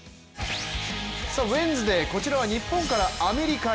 ウエンズデー、こちらは日本からアメリカへ。